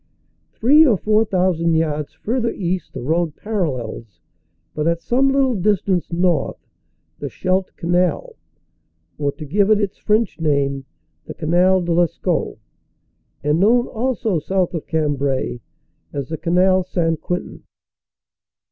Three or four thousand yards further east the road parallels, but at some little distance north, the Scheldt Canal, or, to give it its French name, the Canal de 1 Escaut, and known also. south of Cambrai, as the Canal St. Quentin.